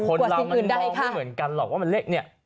กว่าสิ่งอื่นใดค่ะคนเรามันมองไม่เหมือนกันหรอกว่ามันเลขเนี่ย